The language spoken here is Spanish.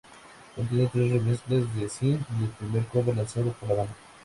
Contiene tres remezclas de "Sin" y el primer cover lanzado por la banda.